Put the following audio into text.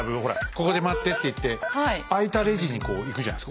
「ここで待って」っていって空いたレジにこう行くじゃないですか。